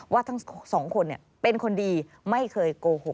ว่าทั้งสองคนเนี่ยเป็นคนดีไม่เคยโกหกใครค่ะ